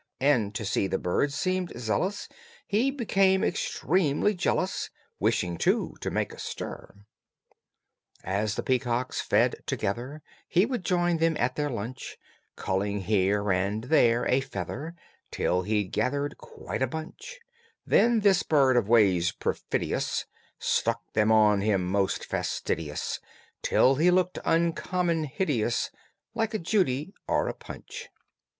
And to see the birds seemed zealous He became extremely jealous, Wishing, too, to make a stir. As the peacocks fed together He would join them at their lunch, Culling here and there a feather Till he'd gathered quite a bunch; Then this bird, of ways perfidious, Stuck them on him most fastidious Till he looked uncommon hideous, Like a Judy or a Punch.